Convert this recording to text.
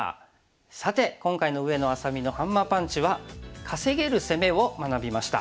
さて今回の上野愛咲美のハンマーパンチは「稼げる攻め」を学びました。